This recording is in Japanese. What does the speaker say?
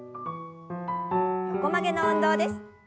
横曲げの運動です。